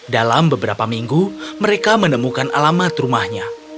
dalam beberapa minggu mereka menemukan alamat rumahnya